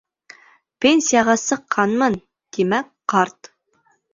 Пенсияға сыҡҡанмын, тимәк, ҡарт.